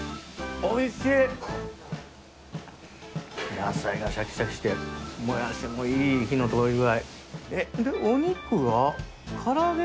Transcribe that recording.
野菜がシャキシャキしてモヤシもいい火の通り具合。